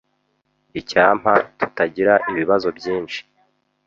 Icyampa tutagira ibibazo byinshi.